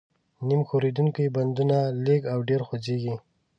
نیم ښورېدونکي بندونه لږ او ډېر خوځېږي.